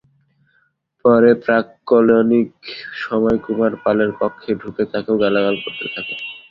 পরে প্রাক্কলনিক সমর কুমার পালের কক্ষে ঢুকে তাঁকেও গালাগাল করতে থাকেন।